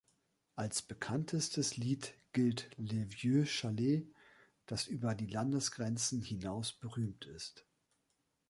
Als bekanntestes Lied gilt "Le vieux chalet", das über die Landesgrenzen hinaus berühmt ist.